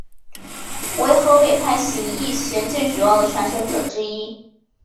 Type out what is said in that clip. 为河北派形意拳最主要的传承者之一。